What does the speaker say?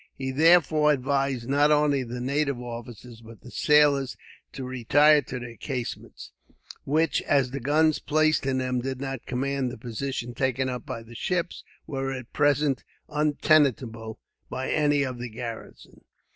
He therefore advised not only the native officers, but the sailors, to retire to their casemates; which, as the guns placed in them did not command the position taken up by the ships, were at presented untenanted by any of the garrison.